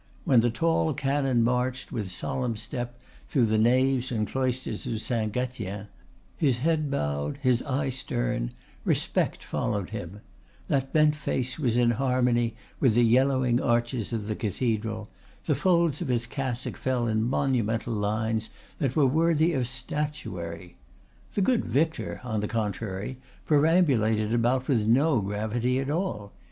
When the tall canon marched with solemn step through the naves and cloisters of Saint Gatien, his head bowed, his eye stern, respect followed him; that bent face was in harmony with the yellowing arches of the cathedral; the folds of his cassock fell in monumental lines that were worthy of statuary. The good vicar, on the contrary, perambulated about with no gravity at all.